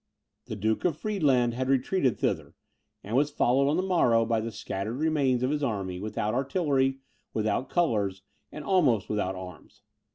The Duke of Friedland had retreated thither, and was followed on the morrow by the scattered remains of his army, without artillery, without colours, and almost without arms.